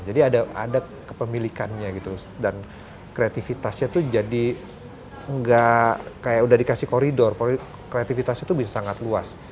jadi ada kepemilikannya gitu dan kreativitasnya tuh jadi nggak kayak udah dikasih koridor kreativitasnya tuh bisa sangat luas